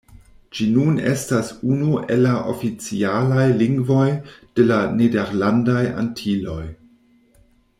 Ĝi nun estas unu el la oficialaj lingvoj de la Nederlandaj Antiloj.